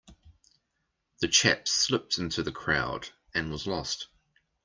The chap slipped into the crowd and was lost.